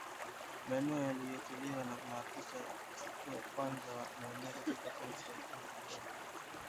maoni yaliyotolewa na maafisa wa kwanza wa maeneo katika kaunti watoaji wa ripoti